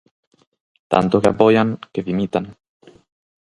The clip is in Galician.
Tanto que apoian, que dimitan.